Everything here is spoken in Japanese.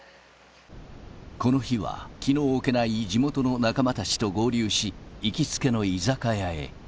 この日は気の置けない地元の仲間たちと合流し行きつけの居酒屋へ